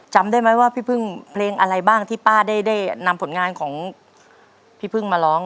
จำได้ไหมว่าพี่พึ่งเพลงอะไรบ้างที่ป้าได้นำผลงานของพี่พึ่งมาร้อง